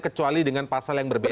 kecuali dengan pasal yang berbeda